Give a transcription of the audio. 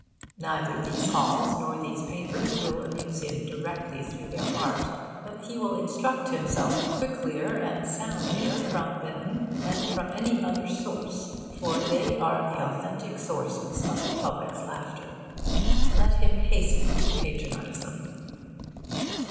Neither these halls nor these papers will amuse him directly through their art, but he will instruct himself quicklier and soundlier from them than from any other source, for they are the authentic sources of the public's laughter. Let him hasten to patronise them.